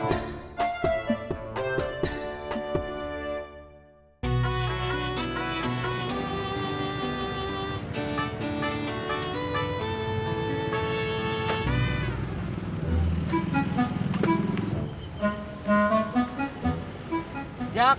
sampai jumpa lagi